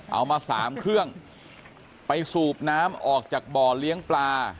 เอามาสามเครื่องไปสูบน้ำออกจากบ่อเลี้ยงปลา